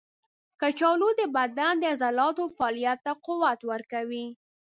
کچالو د بدن د عضلاتو فعالیت ته قوت ورکوي.